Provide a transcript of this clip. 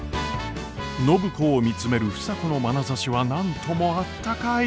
暢子を見つめる房子のまなざしは何ともあったかい。